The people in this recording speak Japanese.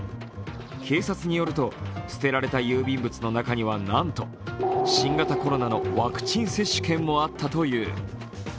警察によると、捨てられた郵便物の中にはなんと新型コロナのワクチン接種券もあったという。